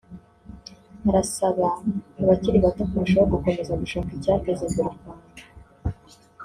Arasaba abakiri bato kurushaho gukomeza gushaka icyateza imbere u Rwanda